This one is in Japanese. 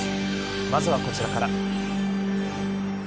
まずは、こちらから。